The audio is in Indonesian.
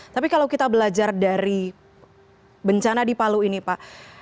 tapi kalau kita belajar dari bencana di palu ini pak